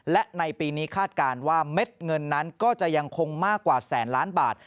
และในปีนี้คาดการณ์ว่าเม็ดเงินนั้นก็จะยังคงมากกว่าแสนล้านบาท